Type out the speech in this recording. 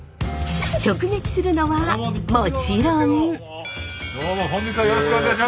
直撃するのはもちろん。